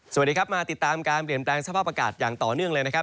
สวัสดีครับมาติดตามการเปลี่ยนแปลงสภาพอากาศอย่างต่อเนื่องเลยนะครับ